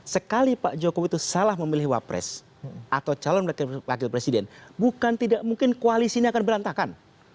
sekali pak jokowi itu salah memilih wapres atau calon wakil presiden bukan tidak mungkin koalisi ini akan berantakan